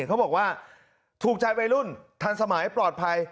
เขาบอกว่าถูกใจวัยรุ่นทันสมัยปลอดภัย